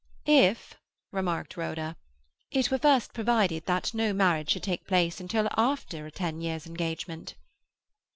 "If," remarked Rhoda, "it were first provided that no marriage should take place until after a ten years' engagement."